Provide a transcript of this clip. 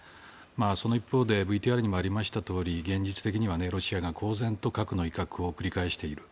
その一方でＶＴＲにもありましたとおり現実的にはロシアが公然と核の威嚇を繰り返している。